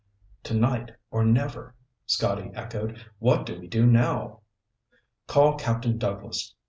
"Tonight or never," Scotty echoed. "What do we do now?" "Call Captain Douglas."